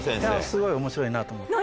すごい面白いなと思って。